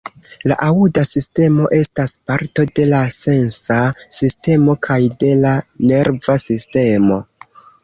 La aŭda sistemo estas parto de la sensa sistemo kaj de la nerva sistemo.